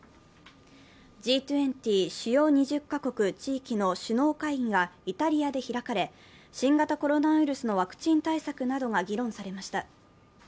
Ｇ２０＝主要２０カ国・地域の首脳会議がイタリアで開かれ、新型コロナウイルスのワクチン対策などが議論されました。